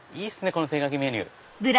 この手書きメニュー。